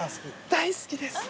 大好きです。